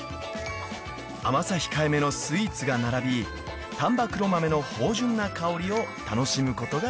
［甘さ控えめのスイーツが並び丹波黒豆の芳醇な香りを楽しむことができます］